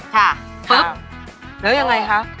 ค่ะปุ๊บแล้วยังไงคะ